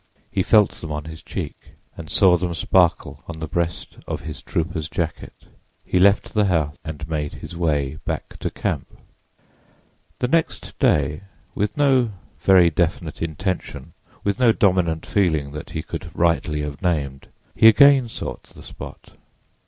He felt them on his cheek, and saw them sparkle on the breast of his trooper's jacket. He left the house and made his way back to camp. The next day, with no very definite intention, with no dominant feeling that he could rightly have named, he again sought the spot.